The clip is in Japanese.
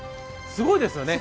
すごいですよね。